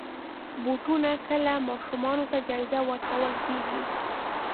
بوټونه کله ماشومانو ته جایزه ورکول کېږي.